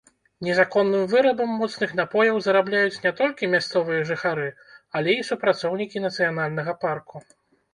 Незаконным вырабам моцных напояў зарабляюць не толькі мясцовыя жыхары, але і супрацоўнікі нацыянальнага парку.